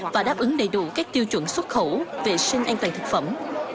và đáp ứng đầy đủ các tiêu chuẩn xuất khẩu vệ sinh an toàn thực phẩm